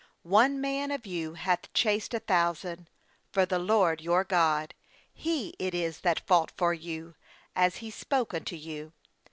man of you hath chased a thousand; for the LORD your God, He it is that fought for you, as He spoke unto you.